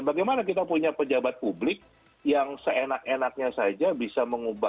bagaimana kita punya pejabat publik yang seenak enaknya saja bisa mengubah